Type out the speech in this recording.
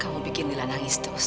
kamu bikin nilai nangis terus